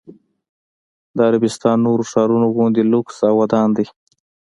د عربستان نورو ښارونو غوندې لوکس او ودان دی.